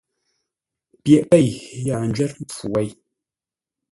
Pyeʼ pé yaa ńjwə́r mpfu wêi.